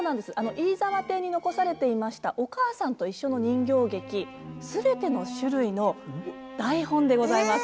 飯沢邸に残されていました「おかあさんといっしょ」の人形劇全ての種類の台本でございます。